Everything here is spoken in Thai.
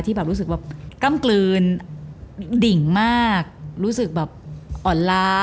แบบรู้สึกแบบกล้ำกลืนดิ่งมากรู้สึกแบบอ่อนล้า